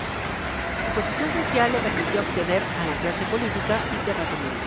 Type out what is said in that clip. Su posición social le permitió acceder a la clase política y terrateniente.